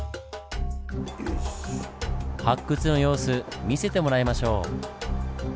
発掘の様子見せてもらいましょう。